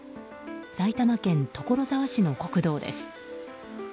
埼玉県所沢市の国道です。